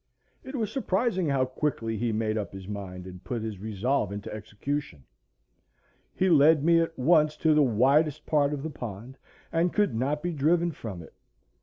It was surprising how quickly he made up his mind and put his resolve into execution. He led me at once to the widest part of the pond, and could not be driven from it.